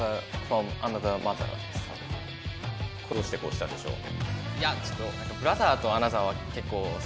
どうしてこうしたんでしょう？